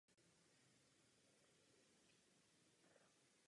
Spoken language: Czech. Je autorem menších instrumentálních a vokálních skladeb.